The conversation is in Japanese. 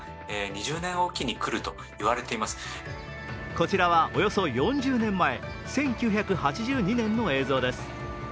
こちらはおよそ４０年前、１９８２年の映像です。